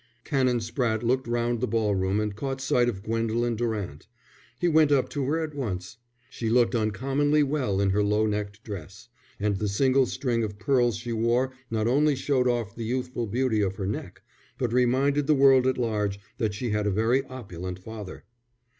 Canon Spratte looked round the ball room and caught sight of Gwendolen Durant. He went up to her at once. She looked uncommonly well in her low necked dress; and the single string of pearls she wore not only showed off the youthful beauty of her neck, but reminded the world at large that she had a very opulent father.